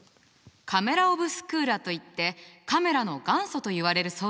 カメラ・オブスクーラといってカメラの元祖といわれる装置なの。